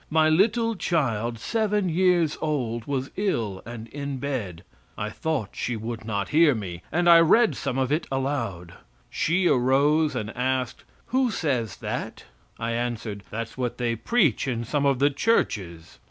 My little child, seven years old, was ill and in bed. I thought she would not hear me, and I read some of it aloud. She arose and asked, "Who says that?" I answered, "That's what they preach in some of the churches."